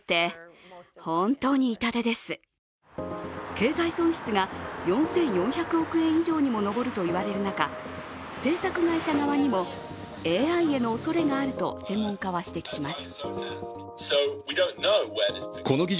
経済損失が４４００億円以上にも上ると言われる中制作会社側にもＡＩへの恐れがあると専門家は指摘します。